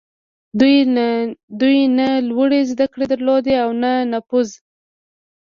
دوی نه لوړې زدهکړې درلودې او نه نفوذ.